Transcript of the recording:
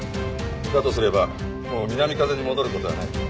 だとすればもう南風に戻ることはない。